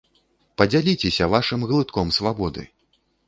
Падзяліцеся вашым глытком свабоды!